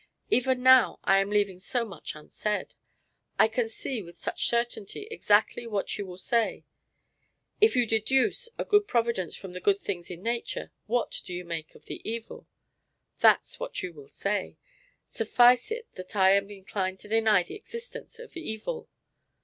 Even now I am leaving so much unsaid. I can see with such certainty exactly what you will say. "If you deduce a good Providence from the good things in nature, what do you make of the evil?" That's what you will say. Suffice it that I am inclined to deny the existence of evil.